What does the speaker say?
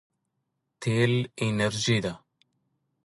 تېل انرژي ده.